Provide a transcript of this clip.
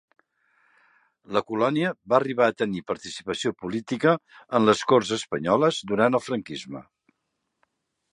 La colònia va arribar a tenir participació política en les Corts espanyoles durant el franquisme.